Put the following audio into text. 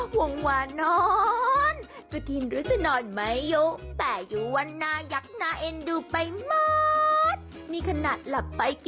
โปรดติดตามต่อไป